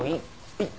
はい。